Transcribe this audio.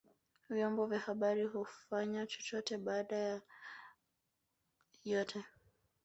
vyombo vya habari hufanya chochote baada ya yote